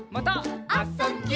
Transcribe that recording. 「あ・そ・ぎゅ」